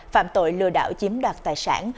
phạm tội lừa đảo chiếm đoạt tài sản